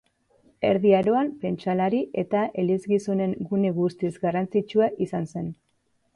Erdi Aroan, pentsalari eta elizgizonen gune guztiz garrantzitsua izan zen.